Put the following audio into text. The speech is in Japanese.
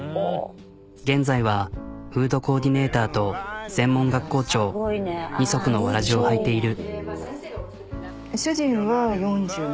現在はフードコーディネーターと専門学校長二足のわらじを履いている。